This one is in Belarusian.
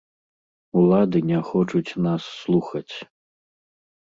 Улады не хочуць нас слухаць.